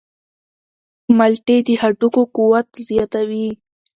مالټې د هډوکو قوت زیاتوي.